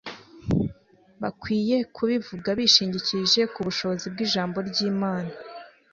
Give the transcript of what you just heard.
Bakwiriye kubivuga bishingikirije ku bushobozi bw'Ijambo ry'Imana,